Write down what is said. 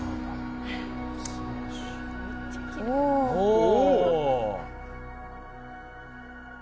お！